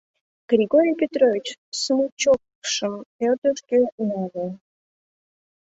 Григорий Петрович смычокшым ӧрдыжкӧ нале.